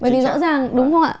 bởi vì rõ ràng đúng không ạ